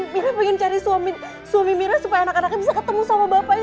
mira pengen cari suami mirna supaya anak anaknya bisa ketemu sama bapaknya